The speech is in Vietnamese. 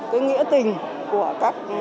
cái nghĩa tình của các